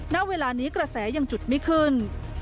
ณเวลานี้กระแสยังจุดไม่ขึ้น